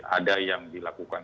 ada yang dilakukan